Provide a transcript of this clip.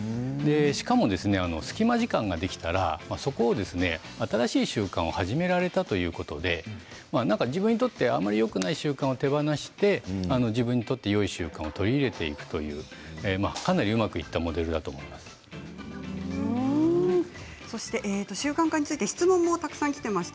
しかも隙間時間ができたらそこを新しい習慣を始められたということで自分にとってあまりよくない習慣を手放して自分にとって、よい習慣を取り入れていくというかなり、うまくいったモデルだと習慣化について質問もたくさんきています。